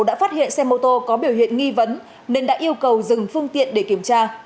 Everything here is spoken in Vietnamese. đã phát hiện xe mô tô có biểu hiện nghi vấn nên đã yêu cầu dừng phương tiện để kiểm tra